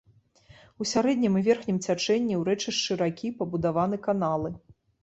У сярэднім і верхнім цячэнні ў рэчышчы ракі пабудаваны каналы.